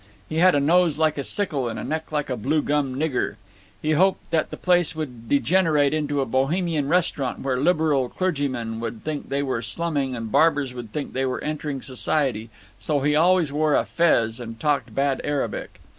He had a nose like a sickle and a neck like a blue gum nigger. He hoped that the place would degenerate into a Bohemian restaurant where liberal clergymen would think they were slumming, and barbers would think they were entering society, so he always wore a fez and talked bad Arabic.